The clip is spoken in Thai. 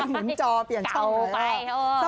หมุนจอเปลี่ยนช่องไป